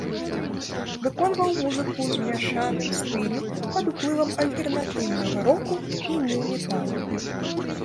Выконваў музыку ў змяшаным стылі пад уплывам альтэрнатыўнага року і ню-метала.